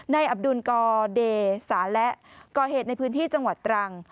อับดุลกอเดสาและก่อเหตุในพื้นที่จังหวัดตรัง